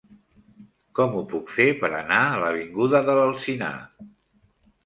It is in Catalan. Com ho puc fer per anar a l'avinguda de l'Alzinar?